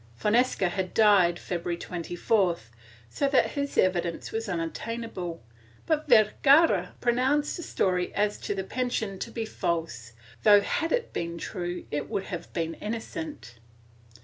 Fonseca had died, February 24th, so that his evidence was unattainable, but Vergara pronounced the story as to the pension to be false, though had it been true it would have been innocent.